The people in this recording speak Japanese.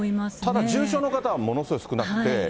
ただ、重症の方はものすごい少なくて。